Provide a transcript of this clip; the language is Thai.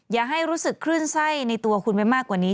อย่าให้รู้สึกคลื่นไส้ในตัวคุณไว้มากกว่านี้